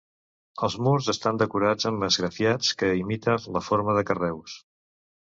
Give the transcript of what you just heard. Els murs estan decorats amb esgrafiats que imiten la forma de carreus.